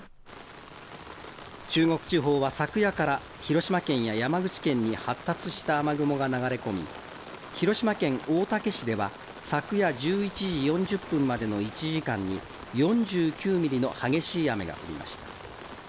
中国地方は昨夜から広島県や山口県に発達した雨雲が流れ込み、広島県大竹市では、昨夜１１時４０分までの１時間に、４９ミリの激しい雨が降りました。